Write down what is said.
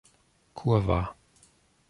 Kurwa